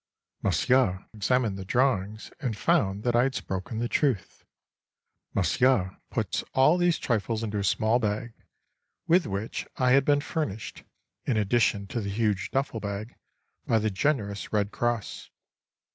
(Monsieur examined the drawings and found that I had spoken the truth.) Monsieur puts all these trifles into a small bag, with which I had been furnished (in addition to the huge duffle bag) by the generous Red Cross.